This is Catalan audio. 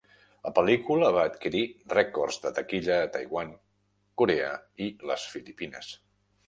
La pel·lícula va adquirir rècords de taquilla a Taiwan, Corea i les Filipines.